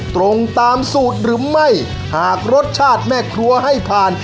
ตรงตามสูตรหรือไม่หากรสชาติแม่ครัวให้ผ่าน